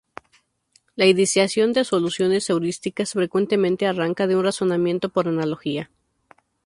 La ideación de soluciones heurísticas frecuentemente arranca de un razonamiento por analogía.